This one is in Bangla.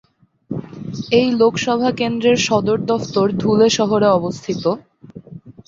এই লোকসভা কেন্দ্রের সদর দফতর ধুলে শহরে অবস্থিত।